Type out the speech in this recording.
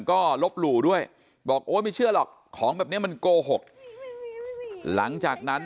ก็ลบหลู่ด้วยบอกโอ๊ยไม่เชื่อหรอกของแบบนี้มันโกหกหลังจากนั้น